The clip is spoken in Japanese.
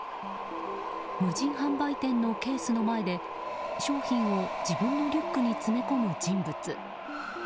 無人販売店のケースの前で商品を自分のリュックに詰め込む人物。